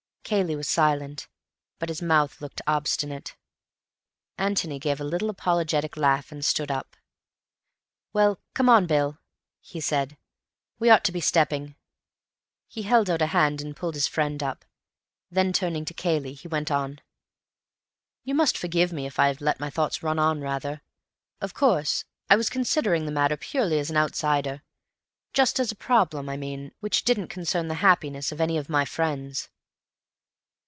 '" Cayley was silent, but his mouth looked obstinate. Antony gave a little apologetic laugh and stood up. "Well, come on, Bill," he said; "we ought to be stepping." He held out a hand and pulled his friend up. Then, turning to Cayley, he went on, "You must forgive me if I have let my thoughts run on rather. Of course, I was considering the matter purely as an outsider; just as a problem, I mean, which didn't concern the happiness of any of my friends."